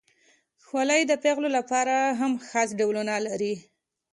خولۍ د پیغلو لپاره هم خاص ډولونه لري.